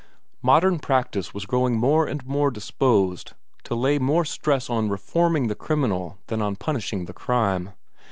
Modern practice was growing more and more disposed to lay more stress on reforming the criminal than on punishing the crime.